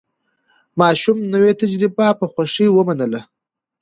ماشوم نوې تجربه په خوښۍ ومنله